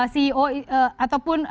ceo atau komitmen